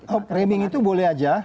oh framing itu boleh saja